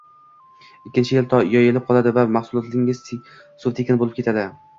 ikkinchi yil yopilib qoladi va mahsulotingiz suv tekin bo‘lib ketadi.